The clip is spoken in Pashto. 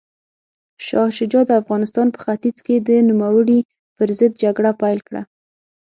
شاه شجاع د افغانستان په ختیځ کې د نوموړي پر ضد جګړه پیل کړه.